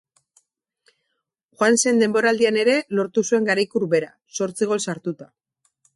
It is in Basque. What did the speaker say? Joan zen denboraldian ere lortu zuen garaikur bera, zortzi gol sartuta.